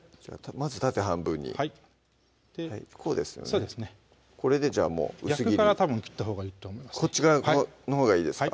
まず縦半分にはいこうですよねそうですねこれでじゃあ薄切り逆から切ったほうがいいとこっち側のほうがいいですか？